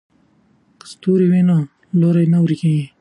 که ستوری وي نو لوری نه ورکیږي.